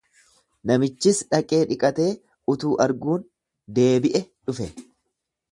Namichis dhaqee dhiqatee, utuu arguun deebie dhufe.